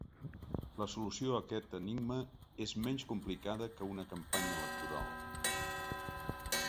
La solució a aquest enigma és menys complicada que una campanya electoral.